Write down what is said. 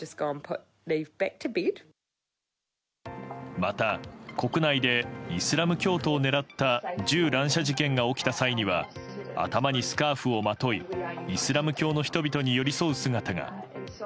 また国内でイスラム教徒を狙った銃乱射事件が起きた際には頭にスカーフをまといイスラム教の人々に寄り添う姿が。